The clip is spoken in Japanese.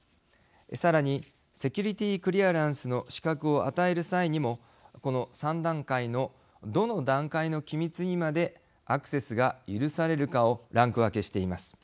さらにセキュリティークリアランスの資格を与える際にもこの３段階のどの段階の機密にまでアクセスが許されるかをランク分けしています。